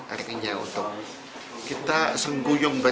artinya untuk kita sengguyungkan